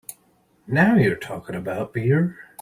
Now you are talking about beer!